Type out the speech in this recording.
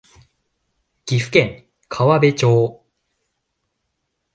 岐阜県川辺町